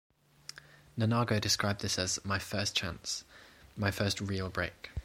Nagano described this as "my first chance, my first real break".